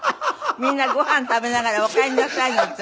みんなご飯食べながら「おかえりなさい」なんて。